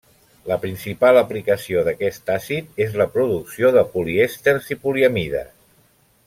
La principal aplicació d'aquest àcid és la producció de polièsters i poliamides.